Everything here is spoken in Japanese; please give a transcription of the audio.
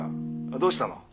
どうしたの？